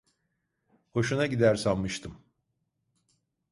Hoşuna gider sanmıştım.